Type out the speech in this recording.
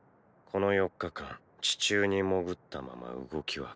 この４日間地中に潜ったまま動きは感じられない。